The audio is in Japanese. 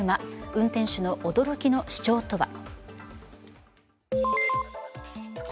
運転手の驚きの主張とは。